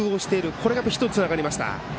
これがヒットにつながりました。